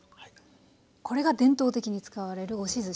これが伝統的に使われる押しずしの型ですね。